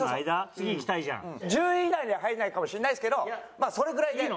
１０位以内には入らないかもしれないですけどまあそれぐらいで。